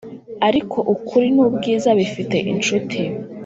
ariko ukuri nubwiza bifite inshuti